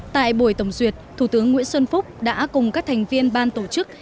tại buổi tổng duyệt thủ tướng nguyễn xuân phúc đã cùng các thành viên ban tổ chức